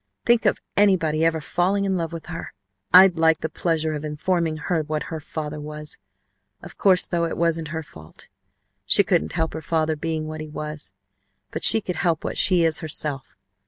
Think of anybody ever falling in love with her! I'd like the pleasure of informing her what her father was. Of course, though, it wasn't her fault. She couldn't help her father being what he was, but she could help what she is herself.